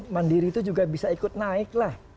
mandiri itu juga bisa ikut naik lah